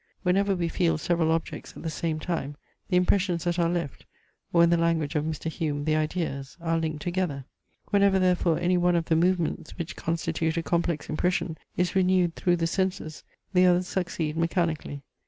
Whenever we feel several objects at the same time, the impressions that are left, (or in the language of Mr. Hume, the ideas,) are linked together. Whenever therefore any one of the movements, which constitute a complex impression, is renewed through the senses, the others succeed mechanically.